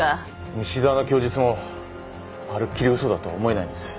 西沢の供述もまるっきり嘘だとは思えないんです。